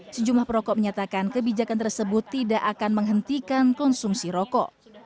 sejumlah perokok menyatakan kebijakan tersebut tidak akan menghentikan konsumsi rokok